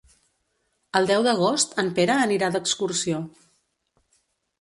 El deu d'agost en Pere anirà d'excursió.